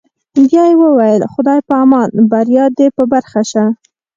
بیا یې وویل: خدای په امان، بریا در په برخه شه.